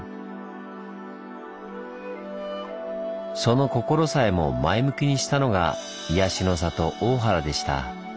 その心さえも前向きにしたのが「癒やしの里・大原」でした。